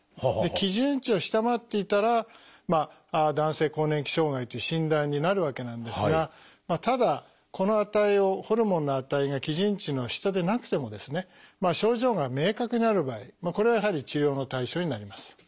基準値を下回っていたら「男性更年期障害」という診断になるわけなんですがただこの値をホルモンの値が基準値の下でなくてもですね症状が明確にある場合これはやはり治療の対象になります。